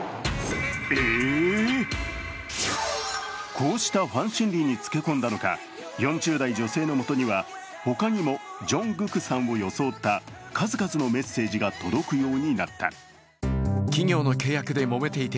こうしたファン心理につけ込んだのか、４０代女性のもとには他にもＪＵＮＧＫＯＯＫさんを装った数々のメッセージが届くようになった。